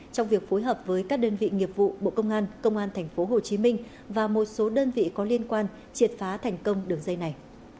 trong việc phối hợp với các đơn vị nghiệp vụ bộ công an công an tp hcm và một số đơn vị có liên quan triệt phá thành công đường dây này